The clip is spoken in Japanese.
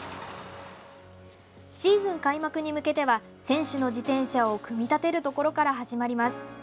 シーズン開幕に向けては選手の自転車を組み立てるところから始まります。